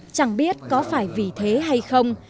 chẳng biết có phải vì thế hay không